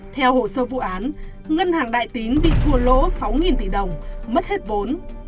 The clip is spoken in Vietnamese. theo hồ sơ vụ án ngân hàng đại tín bị thua lỗ sáu tỷ đồng mất hết vốn